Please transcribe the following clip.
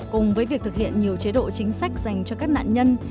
cùng với việc thực hiện nhiều chế độ chính sách dành cho các nạn nhân